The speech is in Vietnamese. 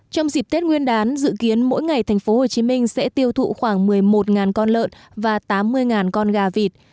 trong dịp tết nguyên đán dự kiến mỗi ngày tp hcm sẽ tiêu thụ khoảng một mươi một con lợn và tám mươi con gà vịt